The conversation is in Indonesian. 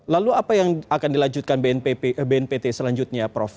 lalu apa yang akan dilanjutkan bnpt selanjutnya prof